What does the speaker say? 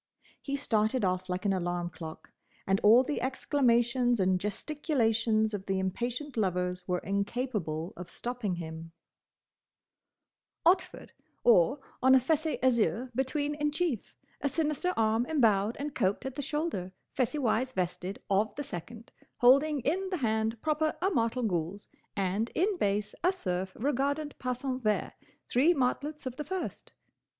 He started off like an alarm clock, and all the exclamations and gesticulations of the impatient lovers were incapable of stopping him. [Illustration: HE STARTED OFF LIKE AN ALARM CLOCK] "Otford: or, on a fesse azure between in chief, a sinister arm embowed and couped at the shoulder fessewise vested of the second, holding in the hand proper a martel gules, and in base a cerf regardant passant vert, three martlets of the first.